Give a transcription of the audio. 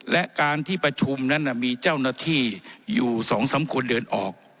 และการที่ประชุมนั้นมีเจ้าหน้าที่อยู่๒๓คนเดินออก